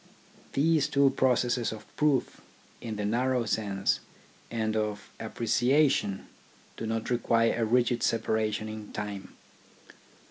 These two processes of proof, in the narrow sense, and of appreciation do not require a rigid separation in time.